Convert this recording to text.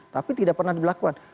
tapi tidak pernah diberlakukan